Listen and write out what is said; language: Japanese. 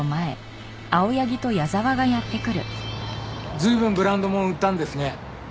随分ブランド物売ったんですね。